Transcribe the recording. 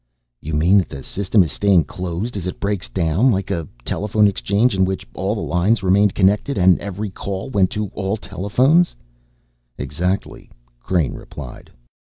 "You mean that the System is staying closed as it breaks down? Like a telephone exchange in which all the lines remained connected and every call went to all telephones." "Exactly," Crane replied.